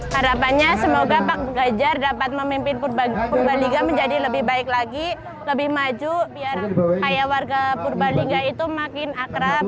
harapannya semoga pak ganjar dapat memimpin purbaliga menjadi lebih baik lagi lebih maju biar kayak warga purbalingga itu makin akrab